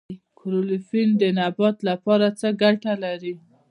کلوروفیل د نبات لپاره څه ګټه لري